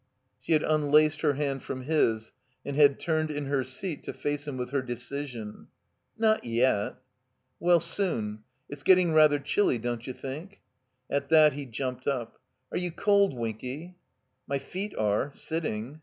She had unlaced her hand from his, and had turned in her seat to face him with her decision. Not yet." 'Well — soon. It's getting rather chilly, don't you think?" At that he jumped up. "Are you cold, \^^nky?" "My feet are, sitting."